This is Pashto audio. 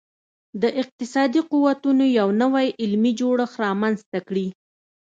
د اقتصادي قوتونو یو نوی علمي جوړښت رامنځته کړي